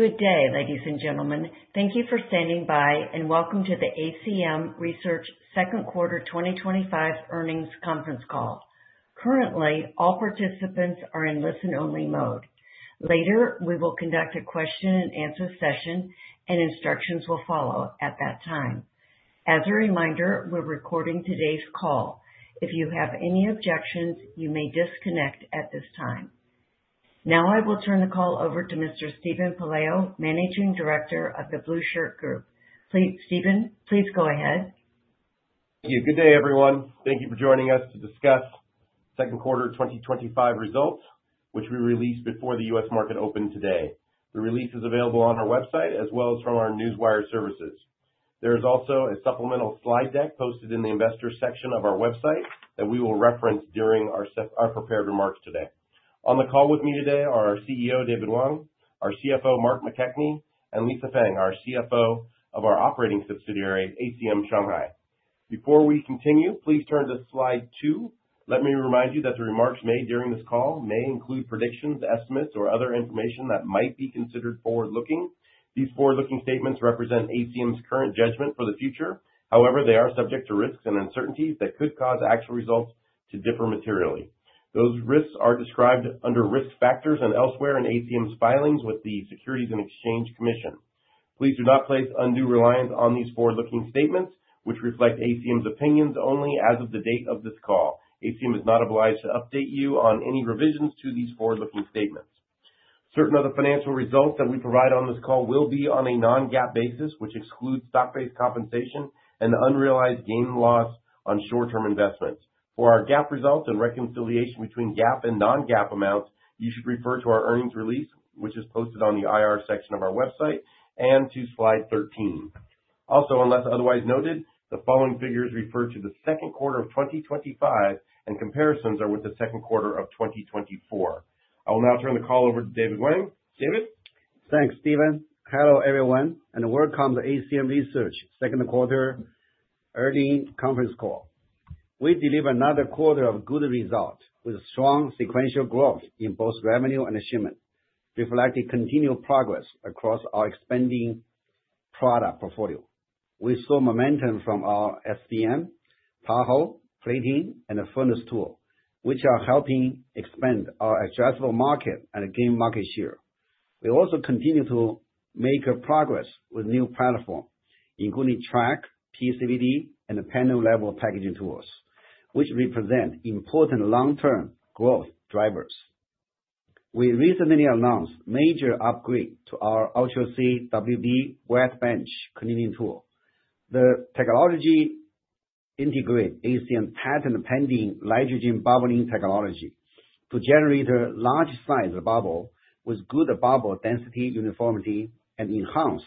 Good day, ladies and gentlemen. Thank you for standing by, and welcome to the ACM Research Second Quarter 2025 Earnings Conference Call. Currently, all participants are in listen-only mode. Later, we will conduct a question-and-answer session, and instructions will follow at that time. As a reminder, we're recording today's call. If you have any objections, you may disconnect at this time. Now, I will turn the call over to Mr. Steven Pelayo, Managing Director of the Blueshirt Group. Please, Steven, please go ahead. Thank you. Good day, everyone. Thank you for joining us to discuss second quarter 2025 results, which we released before the U.S. market opened today. The release is available on our website as well as from our newswire services. There is also a supplemental slide deck posted in the investor section of our website that we will reference during our prepared remarks today. On the call with me today are our CEO, David Wang, our CFO, Mark McKechnie, and Lisa Feng, our CFO of our operating subsidiary, ACM Shanghai. Before we continue, please turn to slide two. Let me remind you that the remarks made during this call may include predictions, estimates, or other information that might be considered forward-looking. These forward-looking statements represent ACM's current judgment for the future. However, they are subject to risks and uncertainties that could cause actual results to differ materially. Those risks are described under risk factors and elsewhere in ACM's filings with the Securities and Exchange Commission. Please do not place undue reliance on these forward-looking statements, which reflect ACM's opinions only as of the date of this call. ACM is not obliged to update you on any revisions to these forward-looking statements. Certain other financial results that we provide on this call will be on a non-GAAP basis, which excludes stock-based compensation and the unrealized gain loss on short-term investments. For our GAAP results and reconciliation between GAAP and non-GAAP amounts, you should refer to our earnings release, which is posted on the IR section of our website, and to slide 13. Also, unless otherwise noted, the following figures refer to the second quarter of 2025, and comparisons are with the second quarter of 2024. I will now turn the call over to David Wang. David? Thanks, Steven. Hello, everyone, and welcome to ACM Research second quarter earnings conference call. We deliver another quarter of good result, with strong sequential growth in both revenue and shipment, reflecting continued progress across our expanding product portfolio. We saw momentum from our SPM, Tahoe, plating, and the furnace tool, which are helping expand our addressable market and gain market share. We also continue to make progress with new platform, including track, PECVD, and the panel-level packaging tools, which represent important long-term growth drivers. We recently announced major upgrade to our Ultra C wb wet Bench cleaning tool. The technology integrate ACM's patent-pending nitrogen bubbling technology to generate a large size bubble with good bubble density, uniformity, and enhance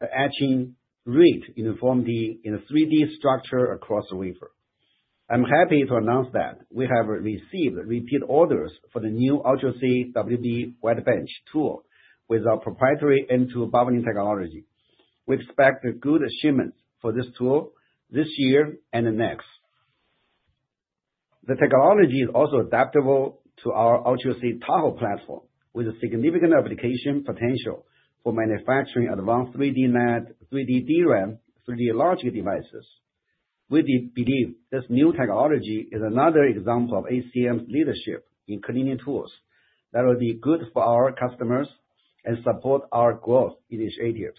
the etching rate uniformity in a 3D structure across the wafer. I'm happy to announce that we have received repeat orders for the new Ultra C wb wet Bench tool with our proprietary nitrogen bubbling technology. We expect good shipments for this tool this year and the next. The technology is also adaptable to our Ultra C Tahoe platform, with a significant application potential for manufacturing advanced 3D NAND, 3D DRAM, 3D logic devices. We believe this new technology is another example of ACM's leadership in cleaning tools that will be good for our customers and support our growth initiatives.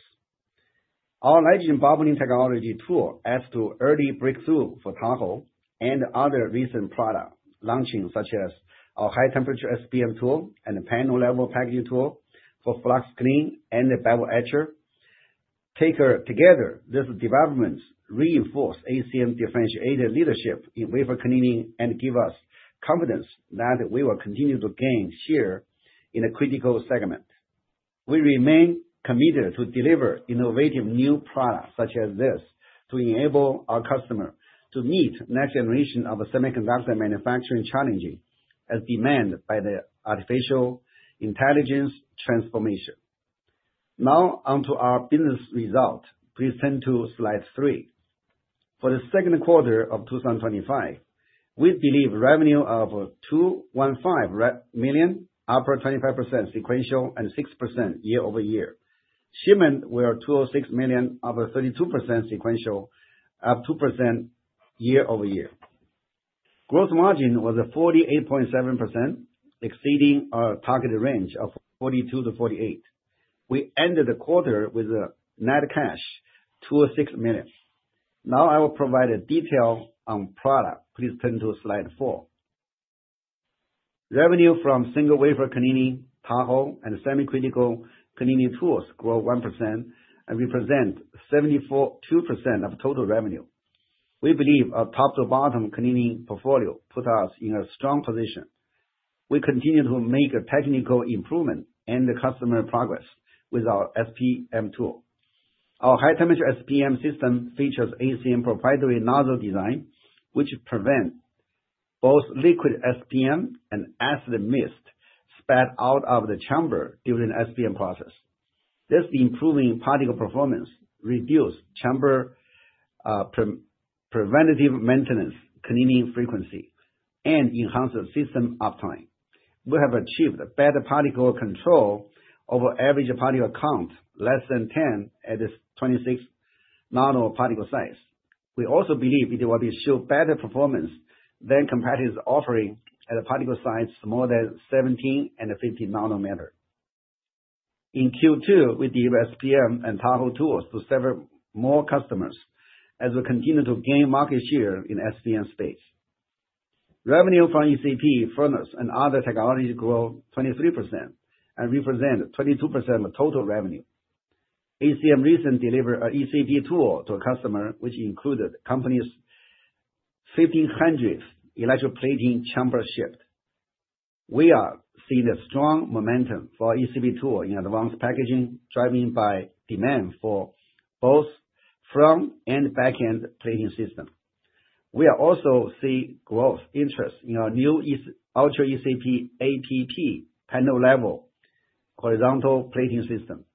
Our nitrogen bubbling technology tool adds to early breakthrough for Tahoe and other recent product launching, such as our high temperature SPM tool and the panel-level packaging tool for flux clean and the bubble etcher. Taken together, these developments reinforce ACM's differentiated leadership in wafer cleaning and give us confidence that we will continue to gain share in a critical segment. We remain committed to deliver innovative new products, such as this, to enable our customer to meet next generation of semiconductor manufacturing challenges as demanded by the artificial intelligence transformation. Now, on to our business results. Please turn to slide three. For the second quarter of 2025, we deliver revenue of $215 million, up 25% sequential, and 6% year-over-year. Shipments were $206 million, up 32% sequential, up 2% year-over-year. Gross margin was at 48.7%, exceeding our targeted range of 42%-48%. We ended the quarter with a net cash of $206 million. Now, I will provide a detail on product. Please turn to slide four. Revenue from single wafer cleaning, Tahoe, and semi-critical cleaning tools grew 1% and represent 74.2% of total revenue. We believe our top to bottom cleaning portfolio puts us in a strong position. We continue to make a technical improvement and the customer progress with our SPM tool. Our high temperature SPM system features ACM proprietary nozzle design, which prevent both liquid SPM and acid mist spat out of the chamber during SPM process. This improving particle performance reduced chamber pre-preventative maintenance cleaning frequency and enhance the system uptime. We have achieved a better particle control over average particle count, less than 10 at this 26 nm particle size. We also believe it will show better performance than competitors offering at a particle size more than 17 and 50 nm. In Q2, we delivered SPM and Tahoe tools to several more customers as we continue to gain market share in SPM space. Revenue from ECP, furnace, and other technologies grew 23% and represent 22% of total revenue. ACM recently delivered a ECP tool to a customer, which included company's 1,500 electroplating chamber shipped. We are seeing a strong momentum for ECP tool in advanced packaging, driving by demand for both front and back-end plating system. We are also see growth interest in our newest, Ultra ECP ap, panel level, horizontal plating system.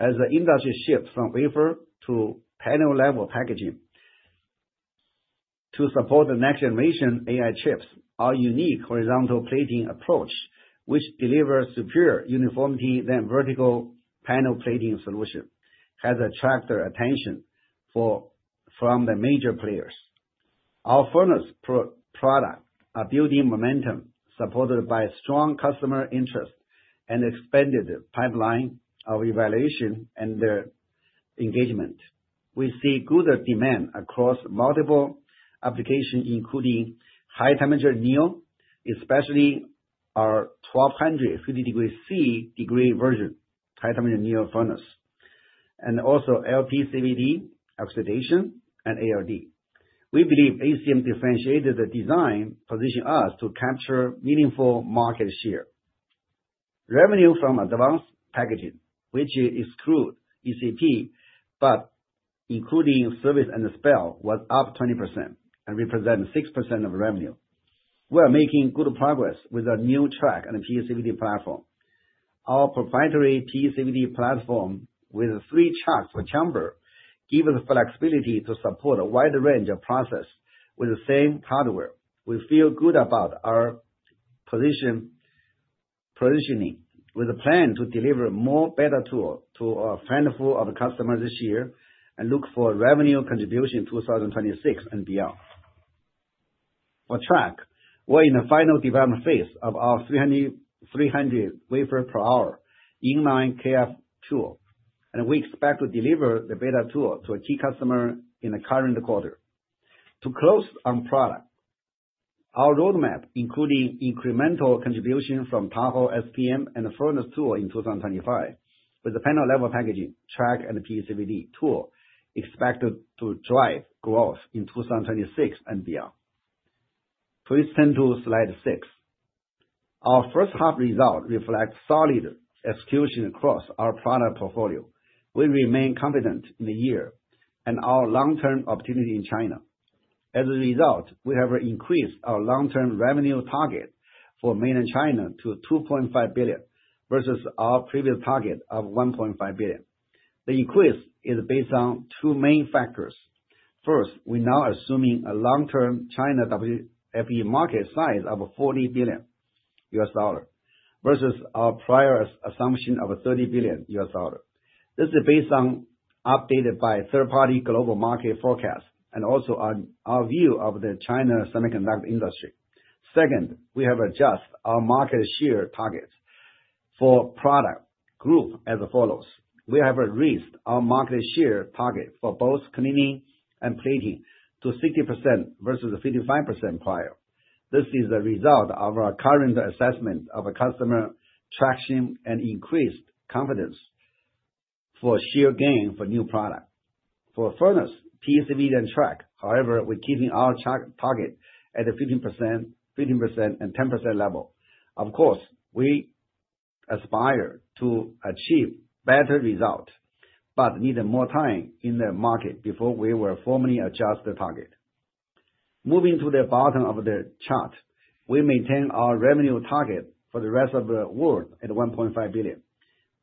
As the industry shifts from wafer to panel level packaging, to support the next generation AI chips, our unique horizontal plating approach, which delivers superior uniformity than vertical panel plating solution, has attracted attention for, from the major players. Our furnace product are building momentum, supported by strong customer interest and expanded pipeline of evaluation and their engagement. We see good demand across multiple applications, including high temperature anneal, especially our 1,250 degrees C version, high temperature anneal furnace, and also LPCVD, oxidation, and ALD. We believe ACM differentiated the design, position us to capture meaningful market share. Revenue from advanced packaging, which excludes ECP, but including service and spare, was up 20% and represent 6% of revenue. We are making good progress with our new track and PECVD platform. Our proprietary PECVD platform with three tracks per chamber, give us flexibility to support a wide range of process with the same hardware. We feel good about our positioning, with a plan to deliver more better tool to a handful of customers this year and look for revenue contribution in 2026 and beyond. For Track, we're in the final development phase of our 300 wafer per hour in-line KrF tool, and we expect to deliver the beta tool to a key customer in the current quarter. To close on product, our roadmap, including incremental contribution from Tahoe SPM and furnace tool in 2025, with the panel-level packaging Track and PECVD tool, expected to drive growth in 2026 and beyond. Please turn to slide six. Our first half result reflects solid execution across our product portfolio. We remain confident in the year and our long-term opportunity in China. As a result, we have increased our long-term revenue target for mainland China to $2.5 billion, versus our previous target of $1.5 billion. The increase is based on two main factors. First, we're now assuming a long-term China WFE market size of $40 billion, versus our prior assumption of $30 billion. This is based on updated by third-party global market forecast and also on our view of the China semiconductor industry. Second, we have adjusted our market share targets for product group as follows: We have raised our market share target for both cleaning and plating to 60% versus the 55% prior. This is a result of our current assessment of a customer traction and increased confidence for share gain for new product. For furnace, PECVD and track, however, we're keeping our track target at a 15%, 15%, and 10% level. Of course, we aspire to achieve better results, but need more time in the market before we will formally adjust the target. Moving to the bottom of the chart, we maintain our revenue target for the rest of the world at $1.5 billion.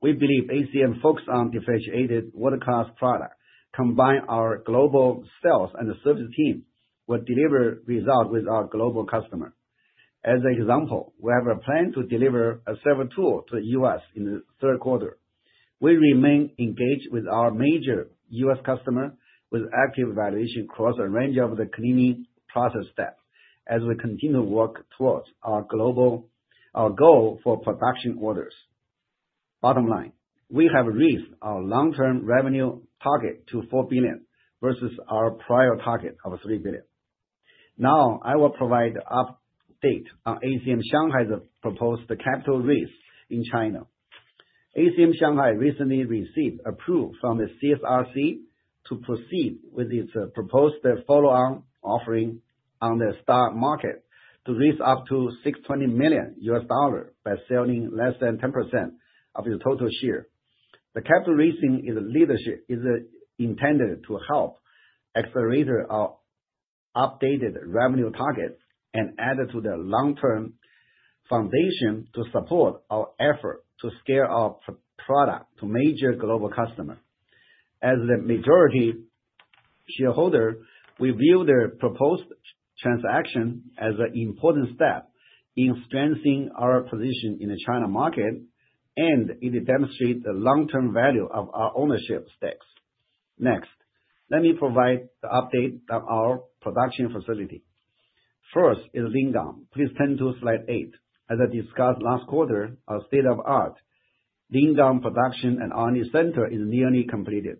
We believe ACM focus on differentiated world-class product, combine our global sales and service team, will deliver results with our global customer. As an example, we have a plan to deliver a server tool to U.S. in the third quarter. We remain engaged with our major U.S. customer with active evaluation across a range of the cleaning process steps as we continue to work towards our global- our goal for production orders. Bottom line: We have raised our long-term revenue target to $4 billion, versus our prior target of $3 billion. Now, I will provide update on ACM Shanghai's proposed capital raise in China. ACM Shanghai recently received approval from the CSRC to proceed with its proposed follow-on offering on the stock market, to raise up to $620 million by selling less than 10% of the total share. The capital raising is leadership, is intended to help accelerate our updated revenue targets and add to the long-term foundation to support our effort to scale up product to major global customer. As the majority-... shareholder, we view the proposed transaction as an important step in strengthening our position in the China market, and it demonstrates the long-term value of our ownership stakes. Next, let me provide the update on our production facility. First is Ningbo. Please turn to slide eight. As I discussed last quarter, our state-of-the-art Ningbo production and R&D center is nearly completed.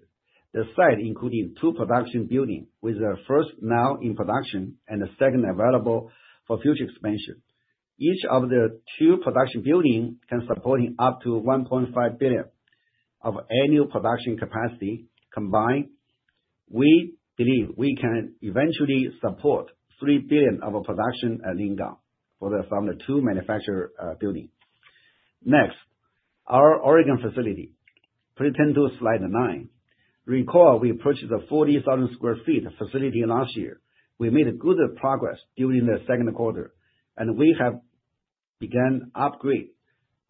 The site, including two production buildings, with the first now in production and the second available for future expansion. Each of the two production buildings can supporting up to $1.5 billion of annual production capacity. Combined, we believe we can eventually support $3 billion of production at Ningbo from the two manufacturing buildings. Next, our Oregon facility. Please turn to slide nine. Recall, we purchased a 40,000 sq ft facility last year. We made good progress during the second quarter, and we have began upgrade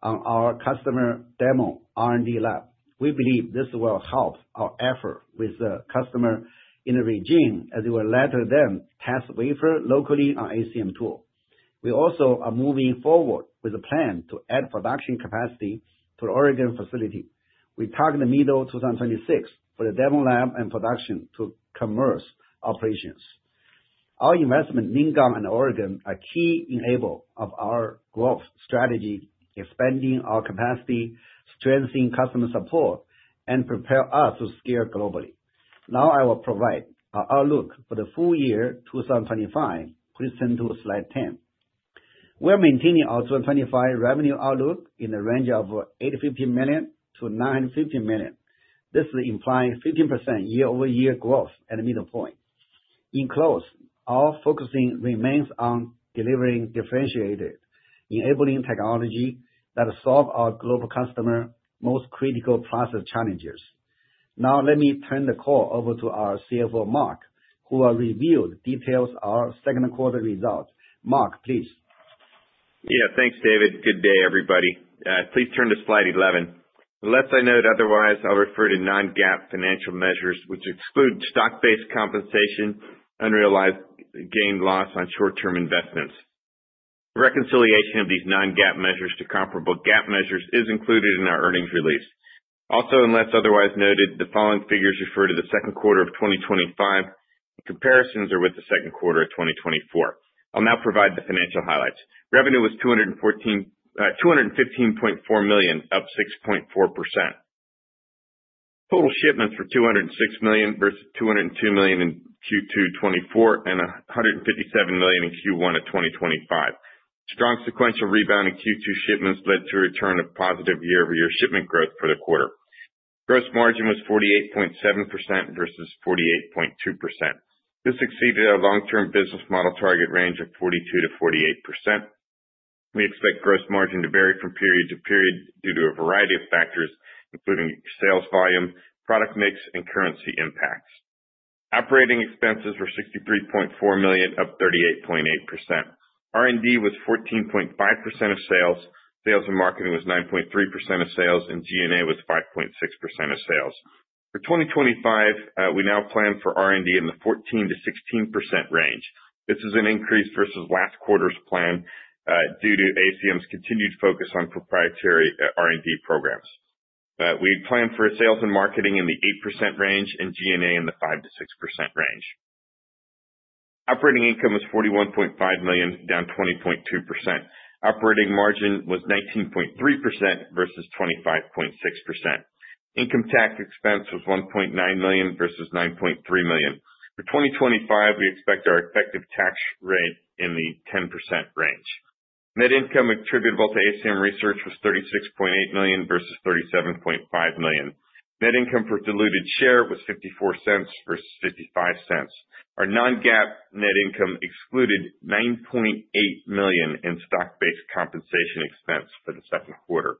on our customer demo R&D lab. We believe this will help our effort with the customer in the region as it will allow them test wafer locally on ACM tool. We also are moving forward with a plan to add production capacity to the Oregon facility. We target the mid-2026 for the demo lab and production to commence operations. Our investment in Ningbo and Oregon are key enabler of our growth strategy, expanding our capacity, strengthening customer support, and prepare us to scale globally. Now I will provide our outlook for the full year 2025. Please turn to slide 10. We're maintaining our 2025 revenue outlook in the range of $850 million-$950 million. This is implying 15% year-over-year growth at the middle point. In closing, our focusing remains on delivering differentiated, enabling technology that solve our global customer most critical process challenges. Now, let me turn the call over to our CFO, Mark, who will review details our second quarter results. Mark, please. Yeah, thanks, David. Good day, everybody. Please turn to slide 11. Unless I note otherwise, I'll refer to non-GAAP financial measures, which exclude stock-based compensation, unrealized gain, loss on short-term investments. Reconciliation of these non-GAAP measures to comparable GAAP measures is included in our earnings release. Also, unless otherwise noted, the following figures refer to the second quarter of 2025. Comparisons are with the second quarter of 2024. I'll now provide the financial highlights. Revenue was 215.4 million, up 6.4%. Total shipments were 206 million versus 202 million in Q2 2024, and 157 million in Q1 of 2025. Strong sequential rebound in Q2 shipments led to a return of positive year-over-year shipment growth for the quarter. Gross margin was 48.7% versus 48.2%. This exceeded our long-term business model target range of 42%-48%. We expect gross margin to vary from period to period due to a variety of factors, including sales volume, product mix, and currency impacts. Operating expenses were $63.4 million, up 38.8%. R&D was 14.5% of sales. Sales and marketing was 9.3% of sales, and G&A was 5.6% of sales. For 2025, we now plan for R&D in the 14%-16% range. This is an increase versus last quarter's plan, due to ACM's continued focus on proprietary, R&D programs. We plan for sales and marketing in the 8% range and G&A in the 5%-6% range. Operating income was $41.5 million, down 20.2%. Operating margin was 19.3% versus 25.6%. Income tax expense was $1.9 million versus $9.3 million. For 2025, we expect our effective tax rate in the 10% range. Net income attributable to ACM Research was $36.8 million versus $37.5 million. Net income per diluted share was $0.54 versus $0.55. Our non-GAAP net income excluded $9.8 million in stock-based compensation expense for the second quarter.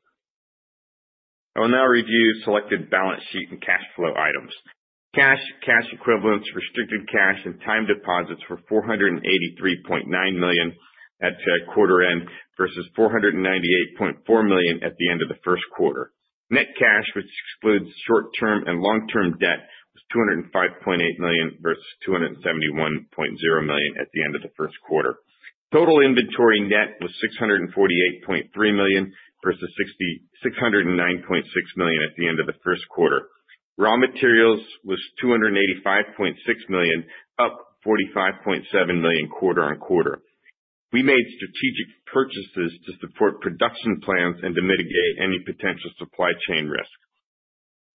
I will now review selected balance sheet and cash flow items. Cash, cash equivalents, restricted cash, and time deposits were $483.9 million at quarter end, versus $498.4 million at the end of the first quarter. Net cash, which excludes short-term and long-term debt, was $205.8 million versus $271.0 million at the end of the first quarter. Total inventory net was $648.3 million versus $609.6 million at the end of the first quarter. Raw materials was $285.6 million, up $45.7 million quarter-on-quarter. We made strategic purchases to support production plans and to mitigate any potential supply chain risk.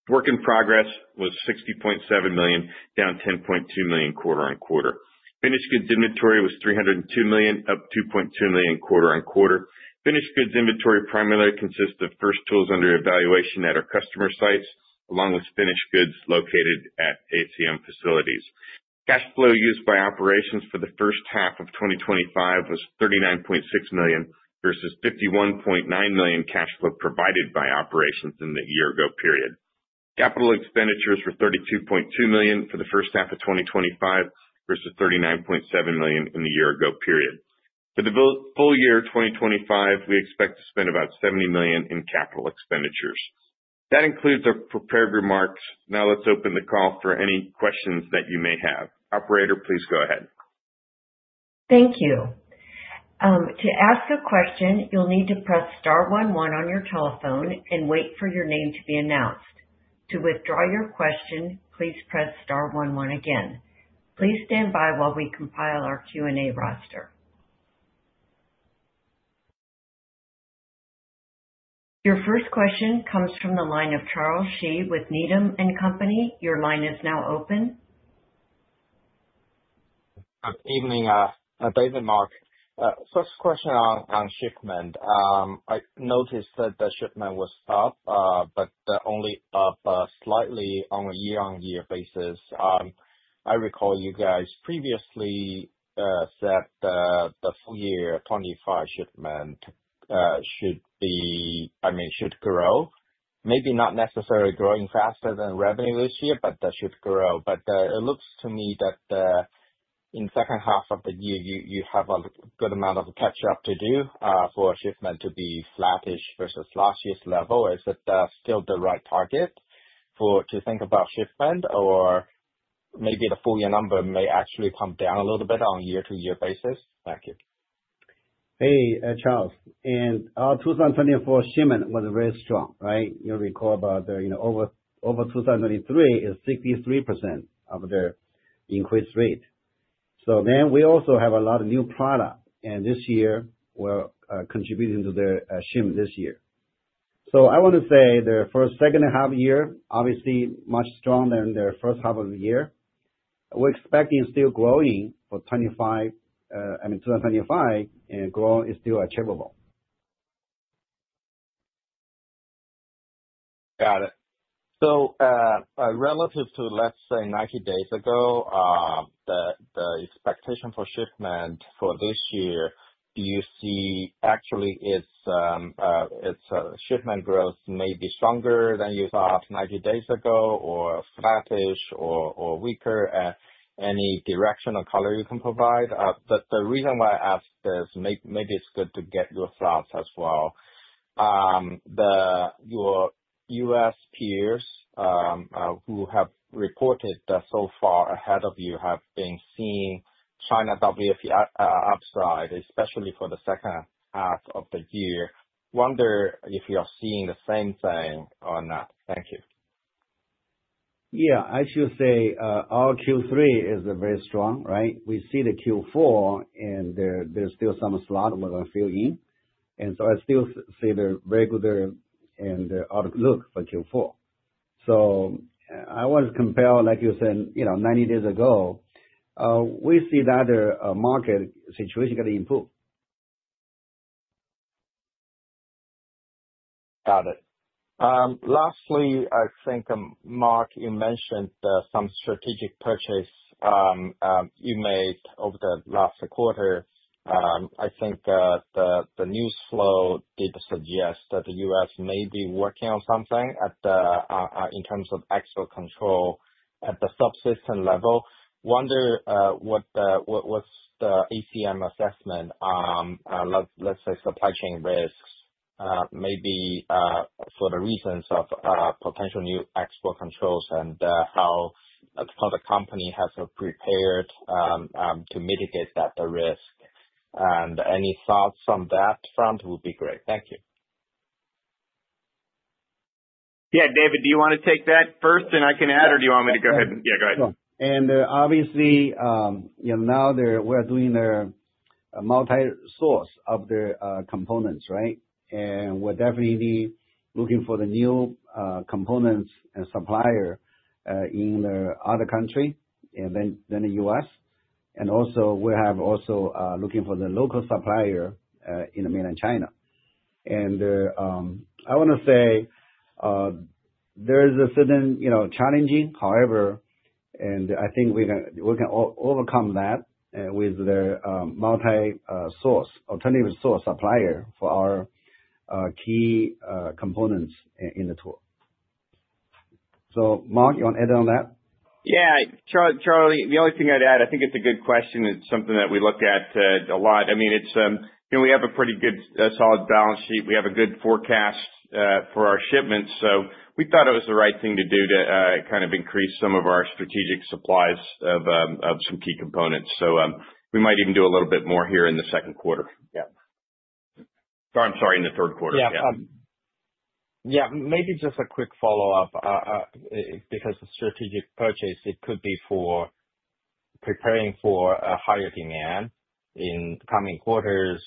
Work in progress was $60.7 million, down $10.2 million quarter-on-quarter. Finished goods inventory was $302 million, up $2.2 million quarter-on-quarter. Finished goods inventory primarily consists of first tools under evaluation at our customer sites, along with finished goods located at ACM facilities. Cash flow used by operations for the first half of 2025 was $39.6 million versus $51.9 million cash flow provided by operations in the year-ago period. Capital expenditures were $32.2 million for the first half of 2025 versus $39.7 million in the year-ago period. For the full year 2025, we expect to spend about $70 million in capital expenditures. That concludes our prepared remarks. Now, let's open the call for any questions that you may have. Operator, please go ahead. Thank you. To ask a question, you'll need to press star one one on your telephone and wait for your name to be announced. To withdraw your question, please press star one one again. Please stand by while we compile our Q&A roster. Your first question comes from the line of Charles Shi with Needham & Company. Your line is now open. Good evening, David and Mark. First question on shipment. I noticed that the shipment was up, but only up slightly on a year-over-year basis. I recall you guys previously said that the full year 2025 shipment should be, I mean, should grow. Maybe not necessarily growing faster than revenue this year, but that should grow. But it looks to me that in second half of the year, you have a good amount of catch up to do for shipment to be flattish versus last year's level. Is that still the right target for to think about shipment? Or maybe the full year number may actually come down a little bit on year-over-year basis? Thank you. Hey, Charles, and our 2024 shipment was very strong, right? You'll recall about the, you know, over 2023 is 63% of the increased rate. So then we also have a lot of new product, and this year, we're contributing to the shipment this year. So I want to say the first, second half year, obviously much stronger than the first half of the year. We're expecting still growing for 2025, I mean, 2025, and growth is still achievable. Got it. So, relative to, let's say, 90 days ago, the expectation for shipment for this year, do you see actually its shipment growth may be stronger than you thought 90 days ago, or flattish or weaker, any direction or color you can provide? But the reason why I ask this, maybe it's good to get your thoughts as well. Your U.S. peers, who have reported that so far ahead of you, have been seeing China WFE upside, especially for the second half of the year. Wonder if you are seeing the same thing or not? Thank you. Yeah, I should say, our Q3 is very strong, right? We see the Q4, and there, there's still some slot we're going to fill in. And so I still say they're very good and, outlook for Q4. So I want to compare, like you said, you know, 90 days ago, we see that, market situation going to improve. Got it. Lastly, I think, Mark, you mentioned some strategic purchase you made over the last quarter. I think that the news flow did suggest that the U.S. may be working on something at the in terms of actual control at the subsystem level. Wonder what the what's the ACM assessment on let's say, supply chain risks, maybe for the reasons of potential new export controls and how the company has prepared to mitigate that risk? And any thoughts on that front would be great. Thank you. Yeah. David, do you want to take that first and I can add, or do you want me to go ahead? Yeah, go ahead. Obviously, you know, now we're doing the multi-source of the components, right? And we're definitely looking for the new components and supplier in the other country and then, than the U.S. And also, we have also looking for the local supplier in mainland China. And, I want to say, there is a certain, you know, challenging, however, and I think we can overcome that with the multi source, alternative source supplier for our key components in the tool. So, Mark, you want to add on that? Yeah. Charlie, the only thing I'd add, I think it's a good question. It's something that we look at a lot. I mean, it's, you know, we have a pretty good solid balance sheet. We have a good forecast for our shipments, so we thought it was the right thing to do to kind of increase some of our strategic supplies of some key components. So, we might even do a little bit more here in the second quarter. Yeah. Or I'm sorry, in the third quarter. Yeah. Yeah, maybe just a quick follow-up, because the strategic purchase, it could be for preparing for a higher demand in coming quarters,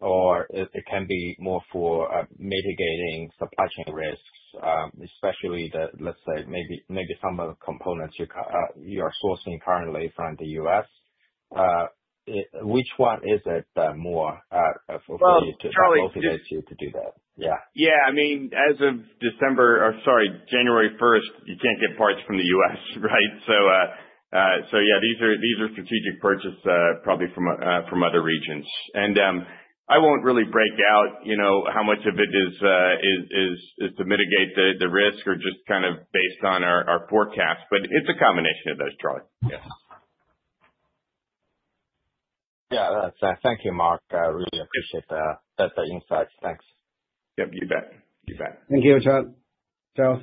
or it can be more for mitigating supply chain risks, especially the, let's say, maybe some of the components you are sourcing currently from the U.S. Which one is it, more for you- Well, Charlie- to motivate you to do that? Yeah. Yeah. I mean, as of December, or sorry, January first, you can't get parts from the U.S., right? So, yeah, these are strategic purchase, probably from other regions. And, I won't really break out, you know, how much of it is to mitigate the risk or just kind of based on our forecast, but it's a combination of those, Charlie. Yes. Yeah, that's. Thank you, Mark. I really appreciate the insights. Thanks. Yep, you bet. You bet. Thank you, Charlie. Charles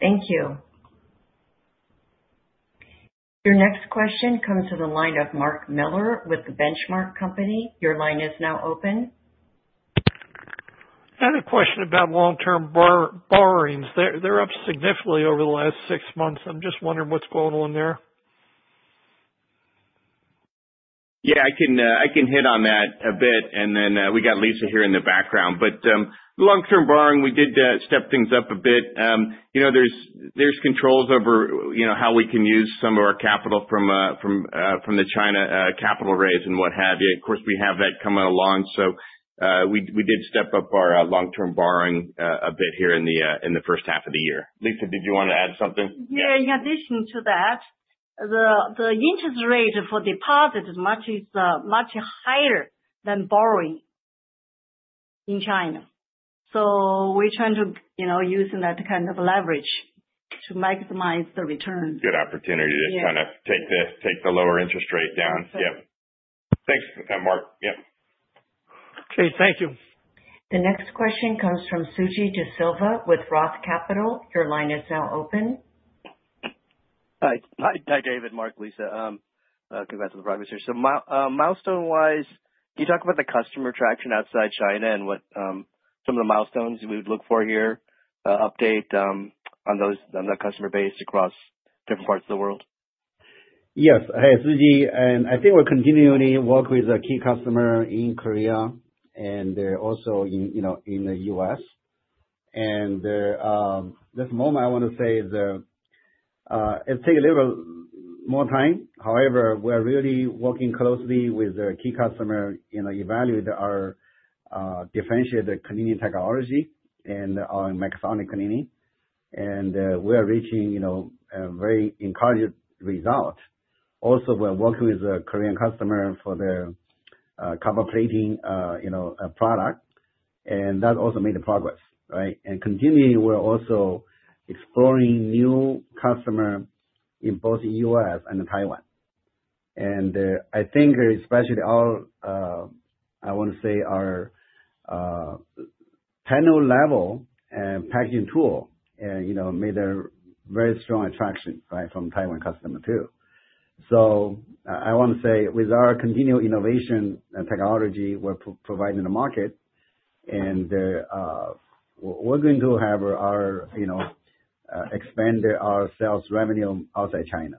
Thank you. Your next question comes to the line of Mark Miller with the Benchmark Company. Your line is now open. I had a question about long-term borrowings. They're, they're up significantly over the last six months. I'm just wondering what's going on there? Yeah, I can, I can hit on that a bit, and then, we got Lisa here in the background. But, long-term borrowing, we did, step things up a bit. You know, there's, there's controls over, you know, how we can use some of our capital from, from, from the China, capital raise and what have you. Of course, we have that coming along, so, we, we did step up our, long-term borrowing, a bit here in the, in the first half of the year. Lisa, did you want to add something? Yeah, in addition to that, the interest rate for deposit is much higher than borrowing in China. So we're trying to, you know, using that kind of leverage to maximize the return. Good opportunity to kind of take the lower interest rate down. Yep. Thanks, Mark. Yep. Okay, thank you. The next question comes from Suji DeSilva with Roth Capital. Your line is now open. Hi. Hi, hi, David, Mark, Lisa, congrats on the progress here. So milestone wise, can you talk about the customer traction outside China and what some of the milestones we would look for here, update on those, on the customer base across different parts of the world? Yes. Hi, Suji, and I think we're continually work with a key customer in Korea and also in, you know, in the U.S. And, this moment I want to say the, it take a little more time. However, we're really working closely with the key customer, you know, evaluate our, differentiate the cleaning technology and our mechatronic cleaning. And, we are reaching, you know, a very encouraging result. Also, we're working with a Korean customer for the, copper plating, you know, product, and that also made the progress, right? And continually, we're also exploring new customer in both the U.S. and Taiwan. And, I think especially our, I want to say our, panel level and packaging tool, you know, made a very strong attraction, right, from Taiwan customer, too. So I want to say, with our continued innovation and technology we're providing the market, and we're going to have our, you know, expand our sales revenue outside China.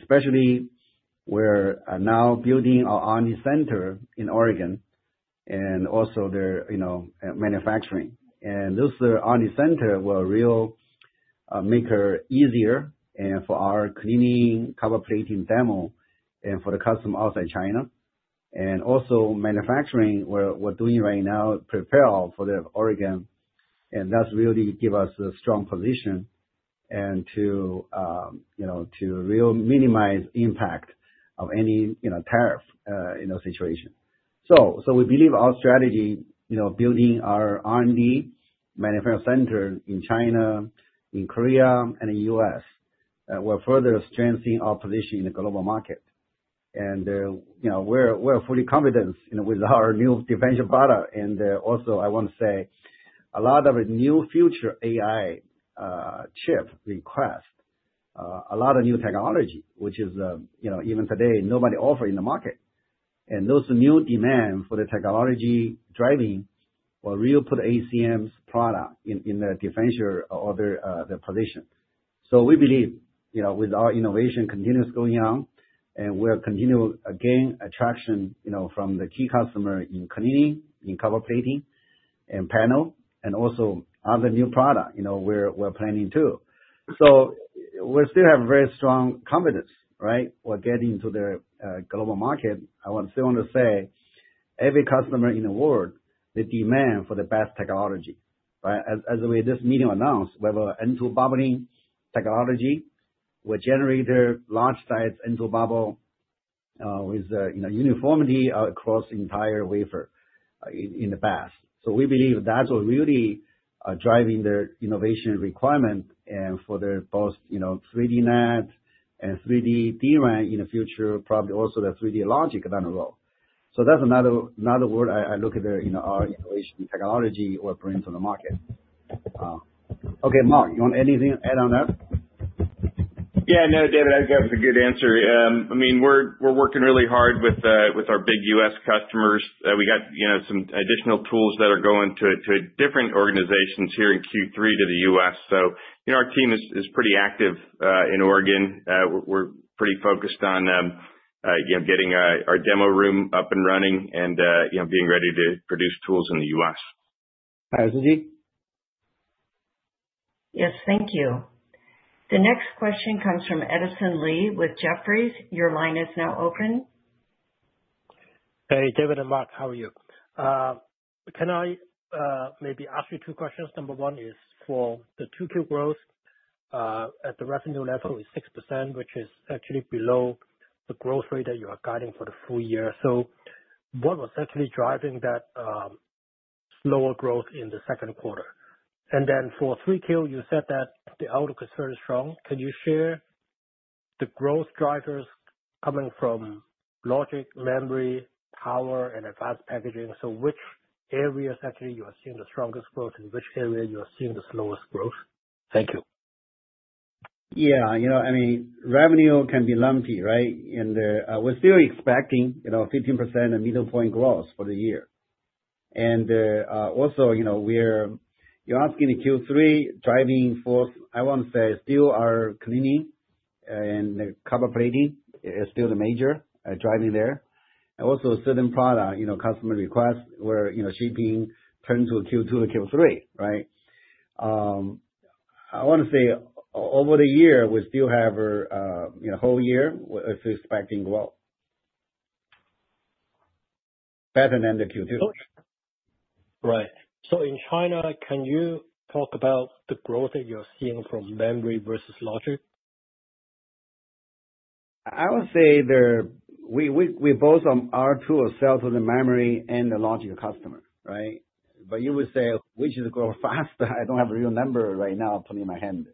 Especially we're now building our R&D center in Oregon and also the, you know, manufacturing. And this R&D center will really make it easier for our cleaning, copper plating demo and for the customer outside China. And also manufacturing, we're doing right now, preparing all for the Oregon, and that's really gives us a strong position and to really minimize impact of any, you know, tariffs in those situations. So we believe our strategy, you know, building our R&D manufacturing center in China, in Korea, and the U.S., will further strengthen our position in the global market. And, you know, we're fully confident, you know, with our new defensive product. And, also, I want to say, a lot of new future AI chip request, a lot of new technology, which is, you know, even today, nobody offer in the market. And those new demand for the technology driving will really put ACM's product in a differential or the position. So we believe, you know, with our innovation continuous going on, and we're continue again attraction, you know, from the key customer in cleaning, in copper plating, and panel, and also other new product, you know, we're planning too. So we still have very strong confidence, right? We're getting to the global market. I still want to say, every customer in the world, they demand for the best technology, right? As we announce in this meeting, we have introduced bubbling technology, which generates large-sized bubbles with, you know, uniformity across the entire wafer in the past. So we believe that's what really driving their innovation requirement and for both, you know, 3D NAND and 3D DRAM in the future, probably also the 3D logic down the road. So that's another word I look at, you know, our innovation technology will bring to the market. Okay, Mark, you want anything add on that? Yeah, no, David, I think that was a good answer. I mean, we're working really hard with our big U.S. customers. We got, you know, some additional tools that are going to different organizations here in Q3 to the U.S. So, you know, our team is pretty active in Oregon. We're pretty focused on, you know, getting our demo room up and running and, you know, being ready to produce tools in the U.S. Thanks Suji. Yes, thank you. The next question comes from Edison Lee with Jefferies. Your line is now open. Hey, David and Mark, how are you? Can I maybe ask you 2 questions? Number 1 is for the 2Q growth. at the revenue level is 6%, which is actually below the growth rate that you are guiding for the full year. So what was actually driving that, slower growth in the second quarter? And then for 3Q, you said that the outlook is very strong. Can you share the growth drivers coming from logic, memory, power, and advanced packaging? So which areas actually you are seeing the strongest growth, and which area you are seeing the slowest growth? Thank you. Yeah, you know, I mean, revenue can be lumpy, right? And, we're still expecting, you know, 15% midpoint growth for the year. And, also, you know, we're - you're asking the Q3 driving force, I want to say, still our cleaning and copper plating is still the major, driving there. And also certain product, you know, customer requests, where, you know, shipping turns to Q2 or Q3, right? I want to say, over the year, we still have our, you know, whole year is expecting growth. Better than the Q2. Right. So in China, can you talk about the growth that you're seeing from memory versus logic? I would say there we both are true ourselves with the memory and the logic customer, right? But you would say, which is growing faster? I don't have a real number right now on top of my head.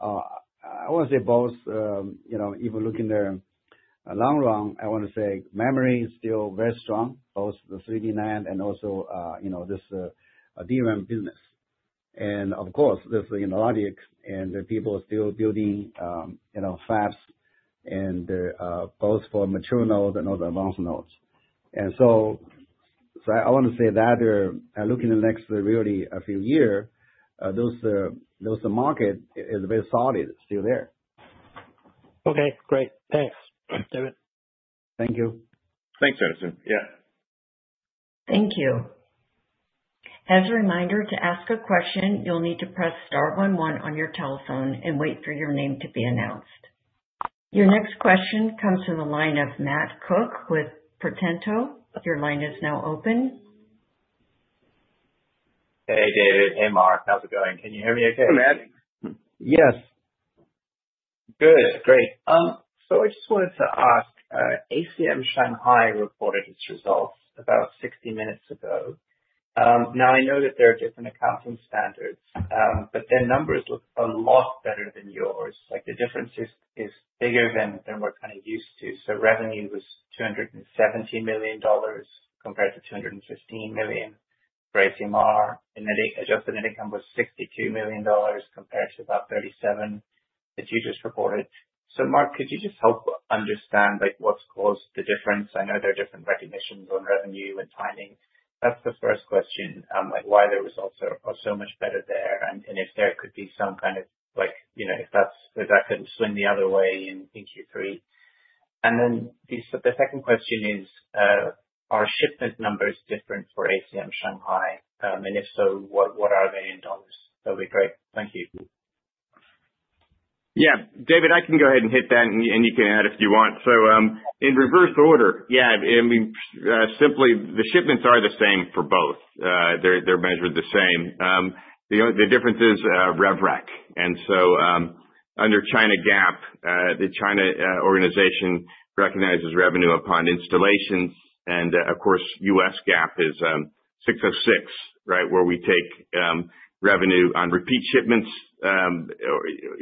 I want to say both, you know, even looking the long run, I want to say memory is still very strong, both the 3D NAND and also, you know, this DRAM business. And of course, there's, you know, logics and people are still building, you know, fast and, both for mature nodes and other advanced nodes. And so I want to say that there, looking the next really a few year, those those market is very solid, still there. Okay, great. Thanks, David. Thank you. Thanks, Edison. Yeah. Thank you. As a reminder, to ask a question, you'll need to press star one one on your telephone and wait for your name to be announced. Your next question comes from the line of Matt Cook with Potentia Capital. Your line is now open. Hey, David. Hey, Mark. How's it going? Can you hear me okay? Hey, Matt. Yes. Good. Great. So I just wanted to ask, ACM Shanghai reported its results about 60 minutes ago. Now I know that there are different accounting standards, but their numbers look a lot better than yours. Like, the difference is bigger than we're kind of used to. So revenue was $270 million compared to $215 million for ACMR, and adjusted net income was $62 million compared to about 37 that you just reported. So Mark, could you just help understand, like, what's caused the difference? I know there are different recognitions on revenue and timing. That's the first question, like, why the results are so much better there, and if there could be some kind of like, you know, if that can swing the other way in Q3. And then the second question is, are shipment numbers different for ACM Shanghai? And if so, what are they in dollars? That'd be great. Thank you. Yeah. David, I can go ahead and hit that and you can add if you want. So, in reverse order, yeah, I mean, simply the shipments are the same for both. They're measured the same. The difference is rev rec. And so, under China GAAP, the China organization recognizes revenue upon installation, and, of course, US GAAP is 606, right? Where we take revenue on repeat shipments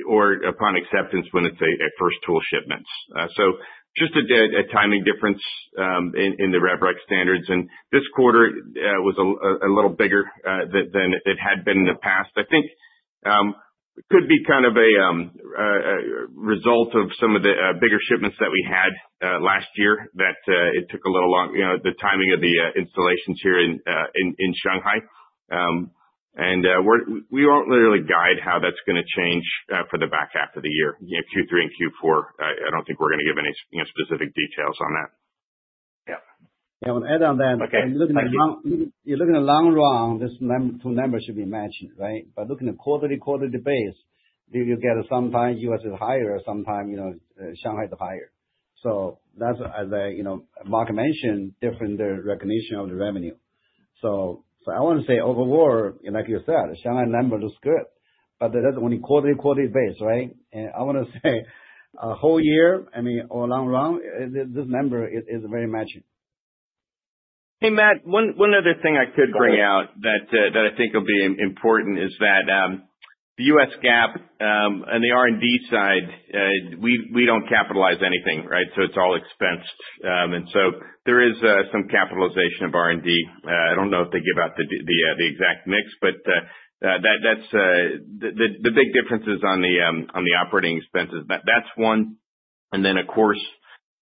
or upon acceptance when it's a first tool shipments. So just a timing difference in the rev rec standards. And this quarter was a little bigger than it had been in the past. I think it could be kind of a result of some of the bigger shipments that we had last year, that it took a little long, you know, the timing of the installations here in Shanghai. And we won't literally guide how that's going to change for the back half of the year. You know, Q3 and Q4, I don't think we're going to give any specific details on that. Yeah. Yeah. I want to add on that. Okay. Thank you. You're looking at long run, this two numbers should be matching, right? But looking at quarter-to-quarter basis, you will get sometimes U.S. is higher, sometimes, you know, Shanghai is higher. So that's as I you know, Mark mentioned, different recognition of the revenue. So, so I want to say overall, like you said, Shanghai numbers looks good, but that's only quarter-to-quarter basis, right? And I want to say, a whole year, I mean, or long run, this number is, is very matching. Hey, Matt, one other thing I could bring out that I think will be important is that the U.S. GAAP and the R&D side, we don't capitalize anything, right? So it's all expensed. And so there is some capitalization of R&D. I don't know if they give out the exact mix, but that's the big difference is on the operating expenses. That's one. And then, of course,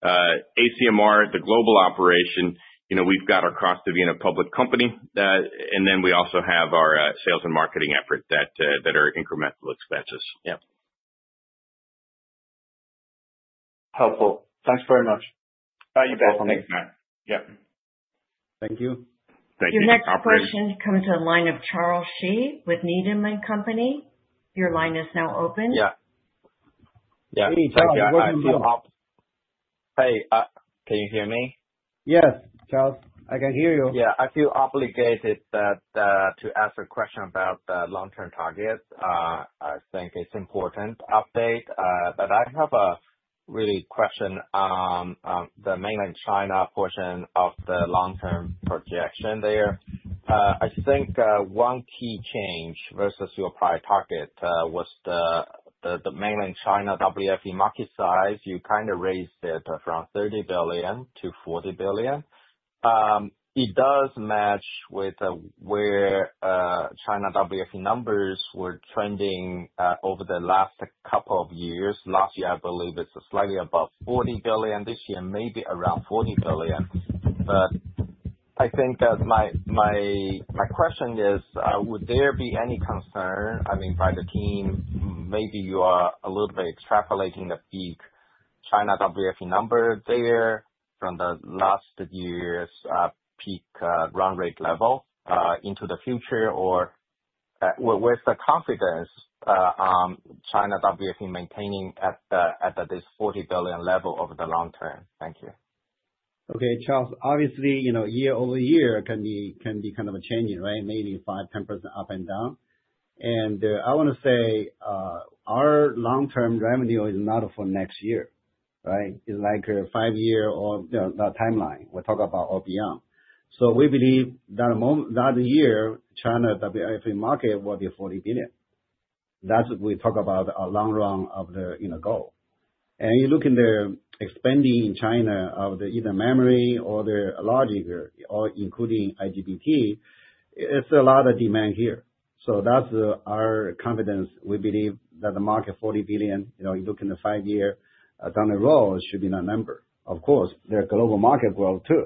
ACMR, the global operation, you know, we've got our costs of being a public company, and then we also have our sales and marketing efforts that are incremental expenses. Yeah. Helpful. Thanks very much. You bet, thanks, Matt. Yep. Thank you. Thank you. Your next question comes from the line of Charles Shi with Needham & Company. Your line is now open. Yeah, so yeah, I feel. Hey, can you hear me? Yes, Charles, I can hear you. Yeah, I feel obligated that to ask a question about the long-term target. I think it's important update, but I have a really question on the mainland China portion of the long-term projection there. I think one key change versus your prior target was the mainland China WFE market size. You kind of raised it from $30 billion to $40 billion. It does match with where China WFE numbers were trending over the last couple of years. Last year, I believe it's slightly above $40 billion, this year, maybe around $40 billion. But I think that my question is, would there be any concern, I mean, by the team, maybe you are a little bit extrapolating the peak China WFE number there from the last year's peak run rate level into the future? Or, where's the confidence on China WFE maintaining at this $40 billion level over the long term? Thank you. Okay, Charles, obviously, you know, year-over-year can be, can be kind of changing, right? Maybe 5-10% up and down. And I want to say, our long-term revenue is not for next year, right? It's like a 5-year or, you know, timeline, we're talking about or beyond. So we believe that moment, that year, China WFE market will be $40 billion. That's what we talk about our long run of the, you know, goal. And you look in the expanding China of the either memory or the logic, or including IGBT, it's a lot of demand here. So that's our confidence. We believe that the market, $40 billion, you know, you look in the 5-year, down the road, should be that number. Of course, there are global market growth, too.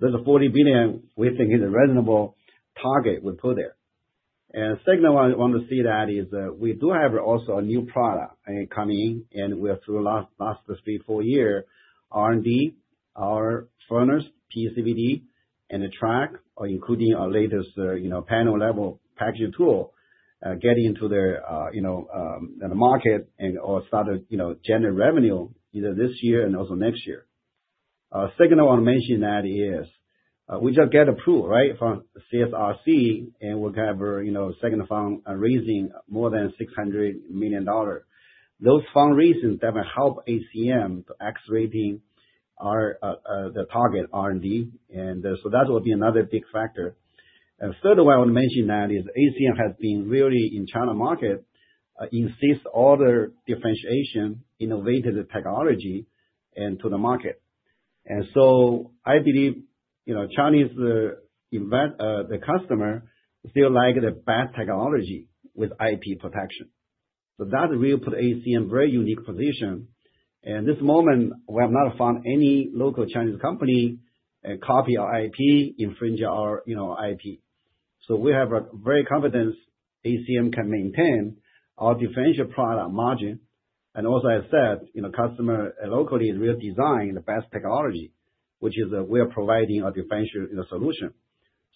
So the $40 billion we think is a reasonable target we put there. And second, I want to see that is, we do have also a new product coming in, and we are through the last, last three, four year, R&D, our furnace, PECVD, and the track, including our latest, you know, panel level packaging tool, getting into the, you know, the market and or start to, you know, generate revenue either this year and also next year. Second, I want to mention that is, we just get approved, right? From CSRC, and we have, you know, second fund raising more than $600 million. Those fundraisings, that will help ACM to accelerating our, the target R&D, and, so that will be another big factor. Third one, I want to mention that is ACM has been really in China market, in six other differentiation, innovative technology into the market. So I believe, you know, Chinese, invest, the customer still like the best technology with IP protection. So that will put ACM in very unique position, and this moment, we have not found any local Chinese company, copy our IP, infringe our, you know, IP. So we have a very confidence ACM can maintain our differential product margin, and also, as said, you know, customer locally, we design the best technology, which is that we are providing a differential in the solution.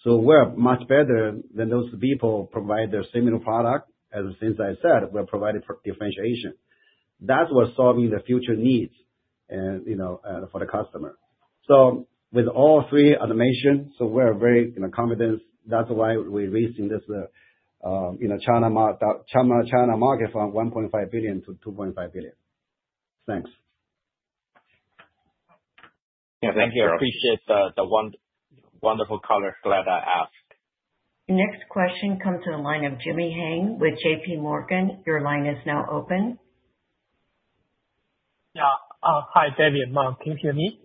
So we're much better than those people provide their similar product, and since I said, we're providing for differentiation. That's what's solving the future needs and, you know, for the customer. With all three automation, we're very, you know, confident. That's why we're raising this, you know, China market from $1.5 billion to $2.5 billion. Thanks. Yeah, thank you. I appreciate the wonderful color. Glad I asked. Next question comes to the line of Jimmy Hang with J.P. Morgan. Your line is now open. Yeah. Hi, Danny and Mark. Can you hear me?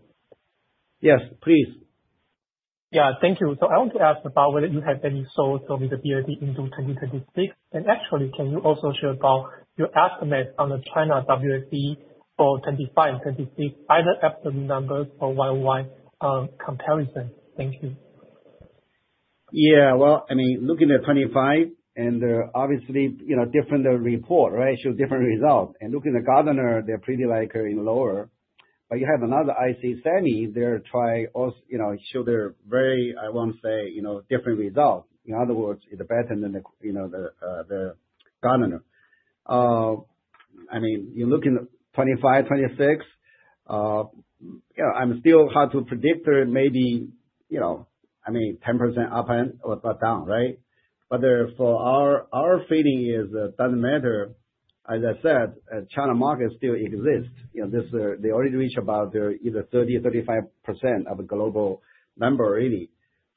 Yes, please. Yeah. Thank you. So I want to ask about whether you have any thoughts on the WFE into 2026, and actually, can you also share about your estimate on the China WFE for 2025 and 2026, either estimate numbers or YOY comparison? Thank you. Yeah, well, I mean, looking at 2025 and, obviously, you know, different report, right? Show different results. Looking at Gartner, they're pretty like in lower, but you have another SEMI, you know, show their very, I want to say, you know, different results. In other words, it's better than the, you know, the Gartner. I mean, you're looking at 2025, 2026, yeah, I'm still hard to predict. Maybe, you know, I mean, 10% up or down, right? But therefore, our feeling is it doesn't matter. As I said, China market still exists, you know, they already reached about either 30% or 35% of the global number, really.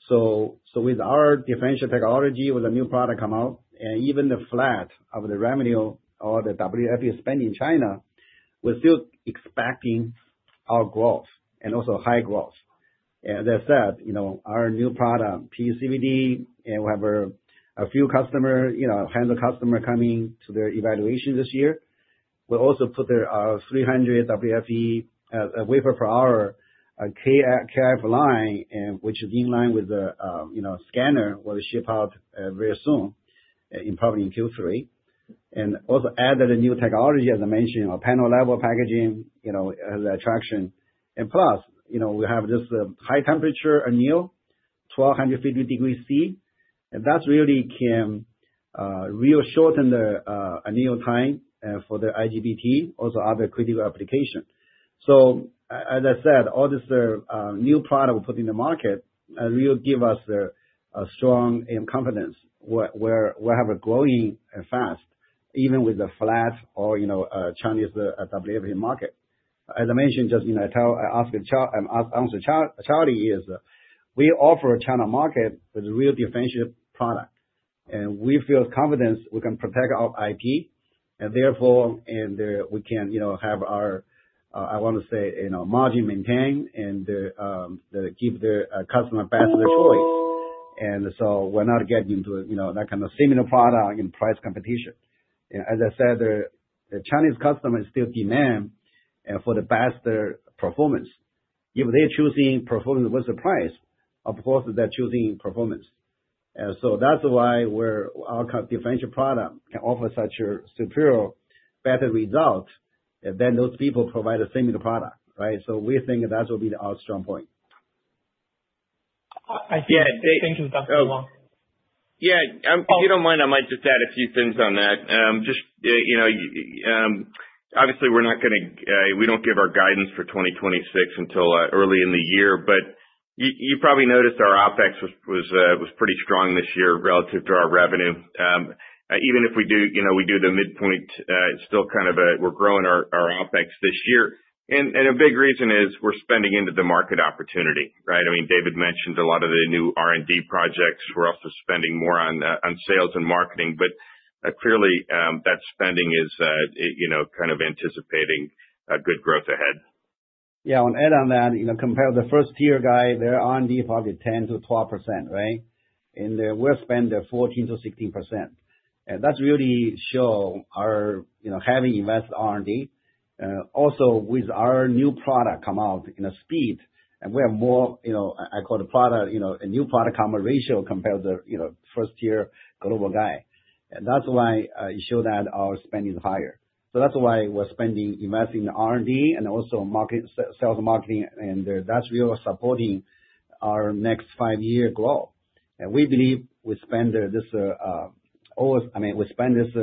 So with our differential technology, with the new product come out, and even the flat of the revenue or the WFE spend in China, we're still expecting our growth, and also high growth. As I said, you know, our new product, PECVD, and we have a few customers, you know, hundred customer coming to their evaluation this year. We'll also put their 300 wph wafer per hour KRF line, and which is in line with the, you know, scanner, will ship out very soon, in probably in Q3. And also add the new technology, as I mentioned, our panel level packaging, you know, as attraction. And plus, you know, we have this high temperature anneal 1,250 degrees C, and that's really can really shorten the anneal time for the IGBT, also other critical application. So as I said, all this new product we put in the market will give us a strong confidence where we're having growing fast, even with the flat or, you know, Chinese WBH market. As I mentioned, just, you know, I asked Charlie if we offer China market with real differentiated product, and we feel confident we can protect our IP, and therefore we can, you know, have our, I want to say, you know, margin maintained and keep the customer best of choice. And so we're not getting into, you know, that kind of similar product and price competition. As I said, the Chinese customers still demand for the best performance. If they're choosing performance versus price, of course, they're choosing performance. So that's why we're our differential product can offer such a superior, better result than those people provide a similar product, right? So we think that will be our strong point. I see. Thank you, Dr. Wang. Yeah, if you don't mind, I might just add a few things on that. Just, you know, obviously we're not gonna, we don't give our guidance for 2026 until early in the year, but you probably noticed our OpEx was pretty strong this year relative to our revenue. Even if we do, you know, we do the midpoint, still kind of, we're growing our OpEx this year. And a big reason is we're spending into the market opportunity, right? I mean, David mentioned a lot of the new R&D projects. We're also spending more on sales and marketing. But clearly, that spending is, you know, kind of anticipating good growth ahead. Yeah, and add on that, you know, compare the first-tier guy, their R&D probably 10%-12%, right? And then we're spending 14%-16%. And that's really show our, you know, heavy invest R&D. Also, with our new product come out in a speed, and we have more, you know, I call the product, you know, a new product come ratio compared to, you know, first-year global guy. And that's why, it show that our spending is higher. So that's why we're spending, investing in R&D and also market, sales and marketing, and that's really supporting our next five-year growth. And we believe we spend this, always, I mean, we spend this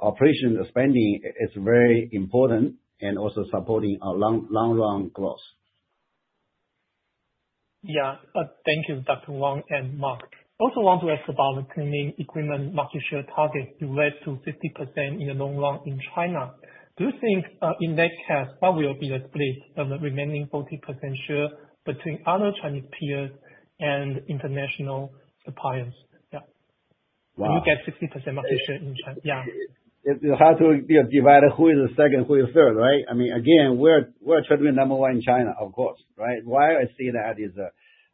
operation spending is very important and also supporting our long, long, long growth. Yeah. Thank you, Dr. Wang and Mark. Also want to ask about the cleaning equipment market share target, you raised to 50% in the long run in China. Do you think, in that case, what will be the split of the remaining 40% share between other Chinese peers and international suppliers? Yeah. Wow! When you get 60% market share in China. Yeah. It, it'll have to be divided who is the second, who is third, right? I mean, again, we're currently number one in China, of course, right? Why I say that is,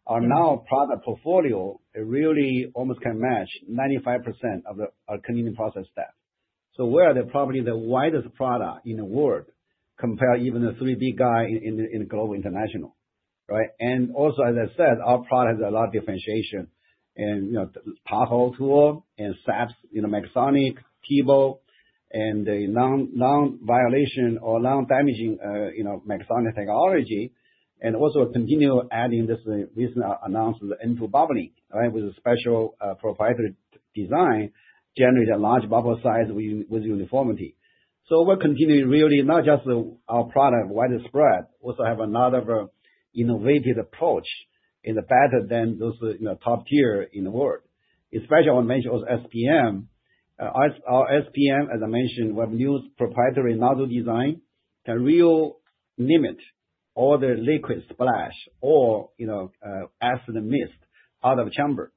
our new product portfolio really almost can match 95% of the, our cleaning process steps. So we are probably the widest product in the world, compare even the three big guy in global international, right? And also, as I said, our product has a lot of differentiation and, you know, the Tahoe tool and SAPS, you know, megasonic, TEBO, and the non, non-violation or non-damaging, you know, megasonic technology, and also continue adding this recent announcement, the nitro bubbling, right? With a special, proprietary design, generate a large bubble size with uniformity. So we're continuing really, not just the our product widespread, also have another innovative approach in the better than those, you know, top tier in the world. Especially when I mention SPM. Our, our SPM, as I mentioned, we have new proprietary nozzle design, can really limit all the liquid splash or, you know, acid mist out of chamber.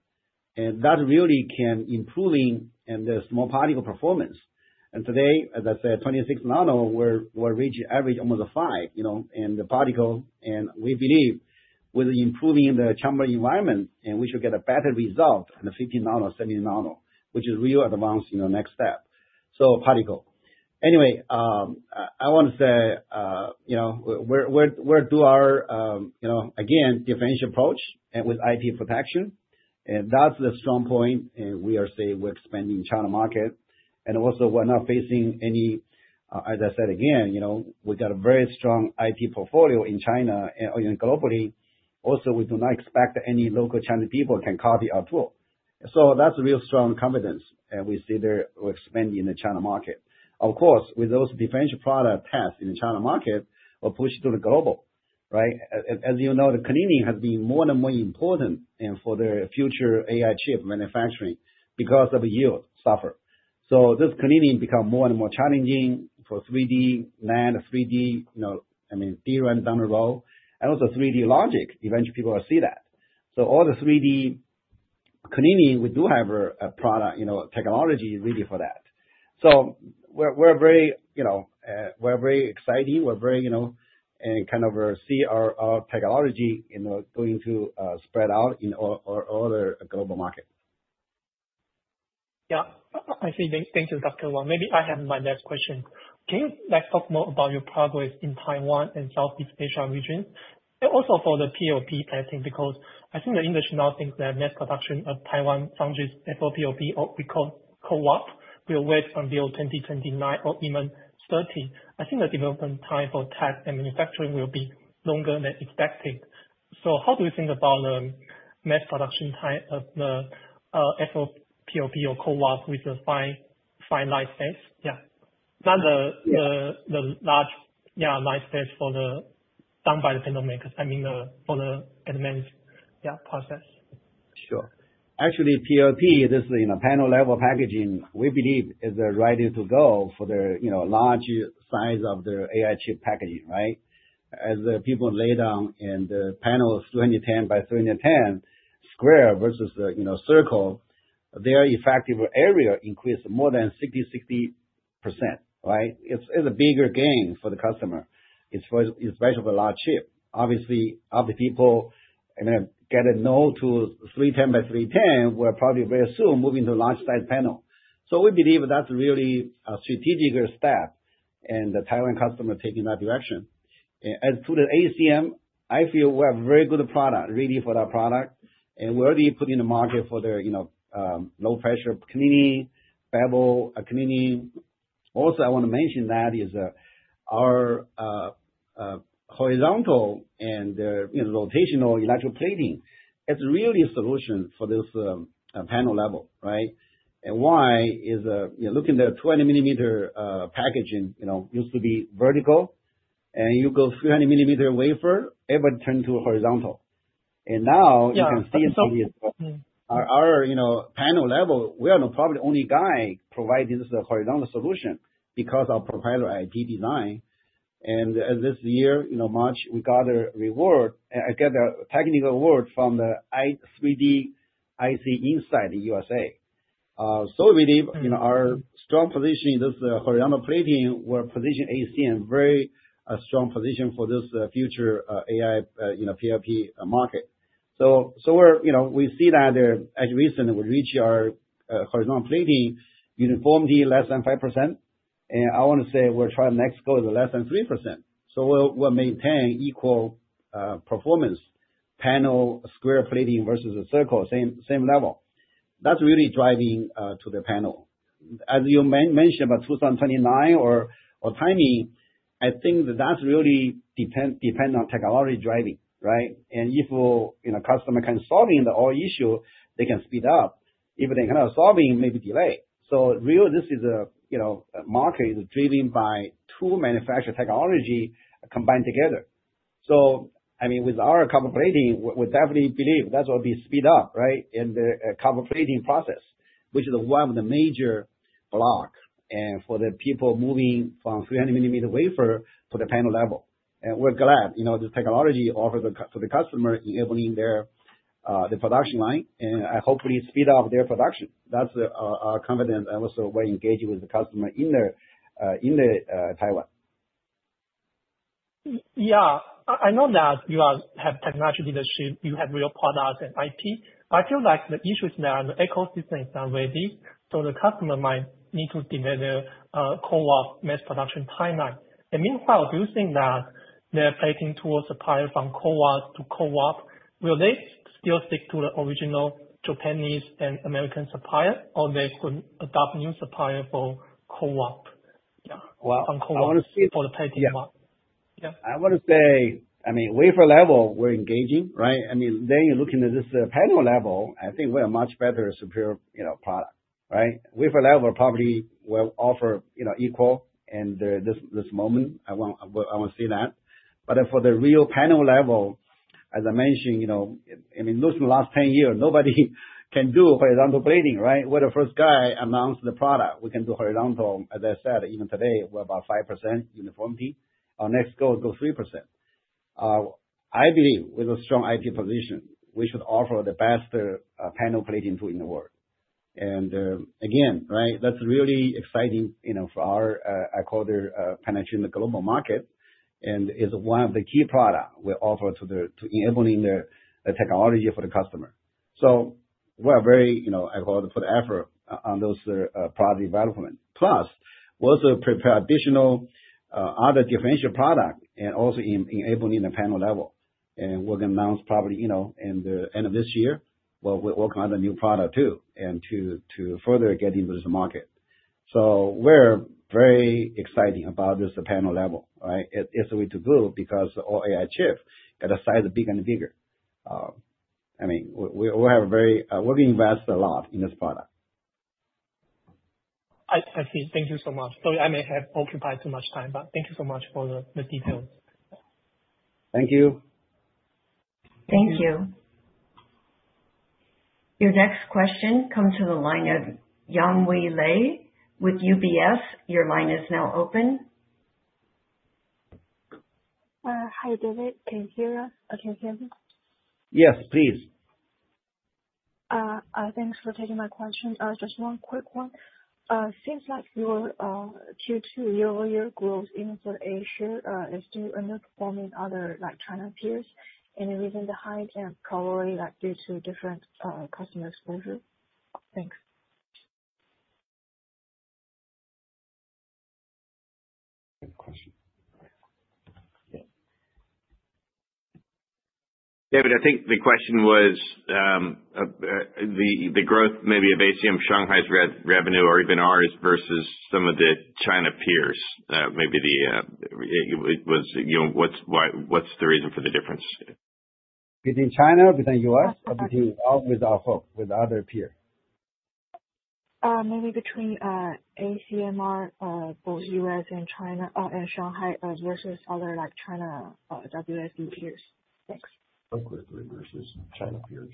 And that really can improving in the small particle performance. And today, as I said, 26 nano, we're, we're reaching average almost a 5, you know, in the particle, and we believe with improving the chamber environment, and we should get a better result in the 15 nano, 17 nano, which is really advanced in the next step. So particle. Anyway, I want to say, you know, we're doing our, you know, again, differentiated approach and with IP protection, and that's the strong point, and we are saying we're expanding China market, and also we're not facing any, as I said again, you know, we got a very strong IP portfolio in China and even globally. Also, we do not expect any local Chinese people can copy our tool. So that's a real strong confidence, and we see there we're expanding in the China market. Of course, with those differentiated product has in the China market, will push to the global, right? As you know, the cleaning has been more and more important for the future AI chip manufacturing because of the yield suffer. So this cleaning become more and more challenging for 3D NAND, 3D, you know, I mean, DRAM is down the road, and also 3D Logic, eventually people will see that. So all the 3D cleaning, we do have a, a product, you know, technology, really for that. So we're, we're very, you know, we're very, you know, and kind of, see our, our technology, you know, going to, spread out in our other global market. Yeah. I see. Thank you, Dr. Wang. Maybe I have my next question. Can you, like, talk more about your progress in Taiwan and Southeast Asia region? And also for the PLP testing, because I think the industry now thinks that mass production of Taiwan Foundries FOPLP, or we call CoW, will wait until 2029 or even 2030. I think the development time for test and manufacturing will be longer than expected.... So how do you think about the mass production time of the, FOPLP or CoWogS with the fine, fine line space? Yeah. Not the, the, the large, yeah, line space for the, done by the panel makers. I mean, the, for the advanced, yeah, process. Sure. Actually, PLP, this is, you know, panel level packaging, we believe is ready to go for the, you know, large size of the AI chip packaging, right? As the people lay down in the panels, 310 by 310 square versus the, you know, circle, their effective area increased more than 60%, right? It's a bigger gain for the customer, especially for large chip. Obviously, other people, you know, get it now to 310 by 310, will probably very soon move into large size panel. So we believe that's really a strategic step, and the Taiwan customer taking that direction. And as to the ACM, I feel we have very good product, really for that product. And we're already putting the market for the, you know, low-pressure CVD, bevel CVD. Also, I want to mention that is our horizontal and the, you know, rotational electroplating, it's really a solution for this panel level, right? And why is a, you look in the 200 millimeter packaging, you know, used to be vertical, and you go 300 millimeter wafer, it will turn to horizontal. And now- Yeah. You can see our, you know, panel-level, we are probably the only guy providing this horizontal solution because of proprietary IP design. And this year, you know, March, we got a reward, got a technical award from the IEEE 3DIC inside the USA. So we believe, you know, our strong position in this horizontal plating will position ACM very a strong position for this, future, AI, you know, PLP market. So we're, you know, we see that as recent, we reach our, horizontal plating uniformity less than 5%. And I want to say we're trying next quarter, less than 3%. So we'll maintain equal, performance, panel square plating versus a circle, same, same level. That's really driving, to the panel. As you mentioned about 2029 or timing, I think that's really depends on technology driving, right? And if, well, you know, customer can solve the whole issue, they can speed up. If they cannot solve, maybe delay. So really, this is a, you know, market is driven by two manufacturer technology combined together. So I mean, with our copper plating, we definitely believe that will be speed up, right, in the copper plating process, which is one of the major block for the people moving from 300 millimeter wafer to the panel level. And we're glad, you know, this technology offers the copper for the customer, enabling their the production line and hopefully speed up their production. That's our confidence, and also we're engaging with the customer in the Taiwan. Yeah. I know that you guys have technology leadership, you have real products and IP, but I feel like the issues now, the ecosystems are ready, so the customer might need to delay their CoWoS mass production timeline. Meanwhile, do you think that the plating tool supplier from CoWoS to CoWoS will they still stick to the original Japanese and American supplier, or they could adopt new supplier for CoWoS? Well- From COWoS. I want to see- For the plating market. Yeah. I want to say, I mean, wafer level, we're engaging, right? I mean, then you're looking at this panel level, I think we're a much better, superior, you know, product, right? Wafer level, probably will offer, you know, equal in the, this, this moment. I won't- I want to say that. But then for the real panel level, as I mentioned, you know, I mean, those last ten years, nobody can do horizontal plating, right? We're the first guy announce the product. We can do horizontal. As I said, even today, we're about 5% uniformity. Our next goal, go 3%. I believe with a strong IP position, we should offer the best, panel plating tool in the world. Again, right, that's really exciting, you know, for our ECP penetration in the global market, and is one of the key product we offer to enabling the technology for the customer. So we're very, you know, involved to put effort on those product development. Plus, we also prepare additional other differential product and also enabling the panel level. And we're going to announce probably, you know, in the end of this year. We're working on a new product too, and to further get into this market. So we're very exciting about this panel level, right? It, it's the way to go because all AI chip get a size bigger and bigger. I mean, we have a very, we invest a lot in this product. I see. Thank you so much. So I may have occupied too much time, but thank you so much for the details. Thank you. Thank you. Your next question comes to the line of Yang Lei with UBS. Your line is now open. Hi, David. Can you hear us? Okay, can. Yes, please. Thanks for taking my question. Just one quick one. Seems like your Q2 year-over-year growth in for Asia is still underperforming other like China peers. Any reason the high-end probably like due to different customer exposure? Thanks. Good question. Yeah. David, I think the question was the growth maybe of ACM Shanghai's revenue or even ours versus some of the China peers. Maybe it was, you know, what's why what's the reason for the difference? Between China, between U.S., or between our, with our whole, with other peer?... Maybe between ACMR, both U.S. and China, and Shanghai, versus other like China, WFE peers? Thanks. Ask quickly versus China peers.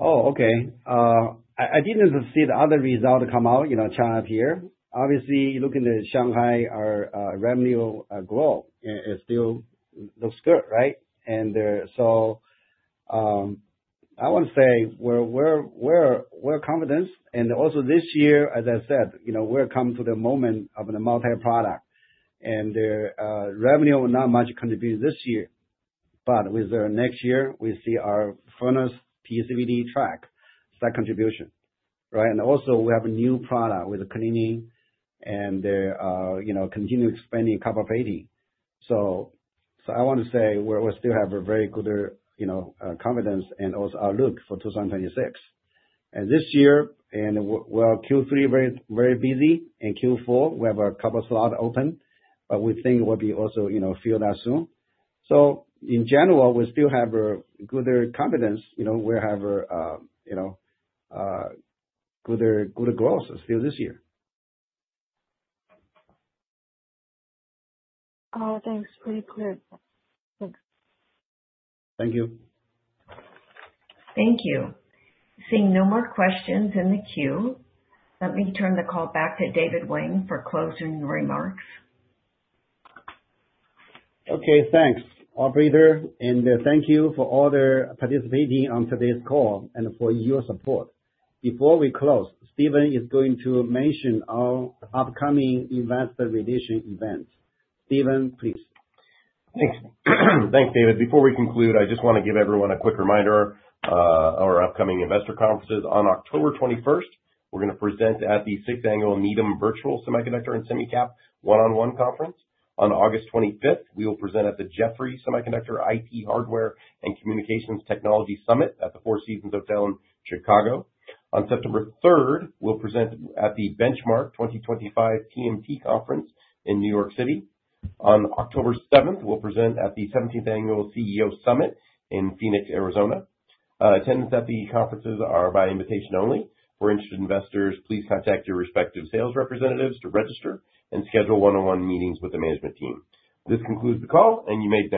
Oh, okay. I didn't see the other result come out, you know, China peer. Obviously, looking at Shanghai, our revenue growth is still looks good, right? And I want to say we're confident. And also this year, as I said, you know, we're coming to the moment of the multi-product, and the revenue will not much contribute this year, but with the next year, we see our furnace PECVD track, that contribution, right? And also we have a new product with cleaning, and they're, you know, continue expanding CAPA 80. So I want to say we still have a very good, you know, confidence and also outlook for 2026. This year, well, Q3 very, very busy, and Q4, we have a couple slot open, but we think we'll be also, you know, fill that soon. So in general, we still have a good confidence. You know, we have a, you know, good, good growth still this year. Oh, thanks. Pretty clear. Thanks. Thank you. Thank you. Seeing no more questions in the queue, let me turn the call back to David Wang for closing remarks. Okay, thanks, operator. Thank you for all the participating on today's call and for your support. Before we close, Steven is going to mention our upcoming investor relations event. Steven, please. Thanks. Thanks, David. Before we conclude, I just want to give everyone a quick reminder, our upcoming investor conferences. On October 21st, we're gonna present at the 6th Annual Needham Virtual Semiconductor and Semicap one-on-one conference. On August 25th, we will present at the Jefferies Semiconductor, IT Hardware and Communications Technology Summit at the Four Seasons Hotel in Chicago. On September 3rd, we'll present at the Benchmark 2024 TMT Conference in New York City. On October 7th, we'll present at the 17th Annual CEO Summit in Phoenix, Arizona. Attendance at the conferences are by invitation only. For interested investors, please contact your respective sales representatives to register and schedule one-on-one meetings with the management team. This concludes the call, and you may disconnect.